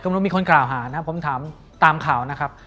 ก็ไม่รู้มีคนกล่าวหานะผมถามตามข่าวนะครับ